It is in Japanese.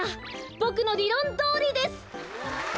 ボクのりろんどおりです！